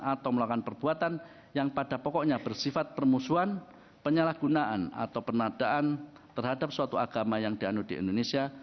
atau melakukan perbuatan yang pada pokoknya bersifat permusuhan penyalahgunaan atau penadaan terhadap suatu agama yang dianut di indonesia